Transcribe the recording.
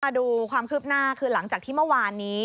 ดูความคืบหน้าคือหลังจากที่เมื่อวานนี้